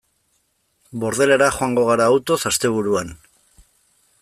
Bordelera joango gara autoz asteburuan.